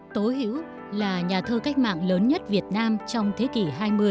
tố hữu là nhà thơ cách mạng lớn nhất việt nam trong thế kỷ hai mươi